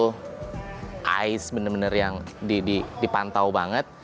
itu ice bener bener yang dipantau banget